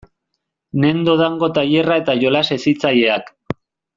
Nendo Dango tailerra eta jolas hezitzaileak.